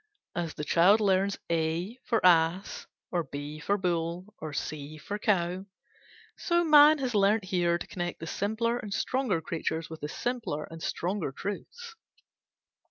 As the child learns A for Ass or B for Bull or C for Cow, so man has learnt here to connect the simpler and stronger creatures with the simpler and stronger truths.